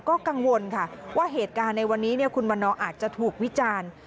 ก็กังวลค่ะว่าเหตุการณ์ในวันนี้คุณวันนอร์อาจจะถูกวิจารณ์